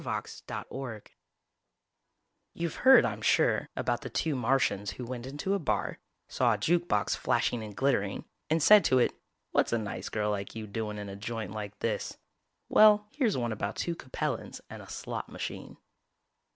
VANDENBURG _You've heard, I'm sure, about the two Martians who went into a bar, saw a jukebox flashing and glittering, and said to it, "What's a nice girl like you doing in a joint like this?" Well, here's one about two Capellans and a slot machine....